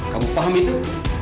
kamu paham itu